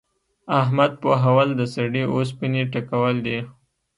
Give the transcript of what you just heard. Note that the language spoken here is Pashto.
احمد پوهول؛ د سړې اوسپنې ټکول دي.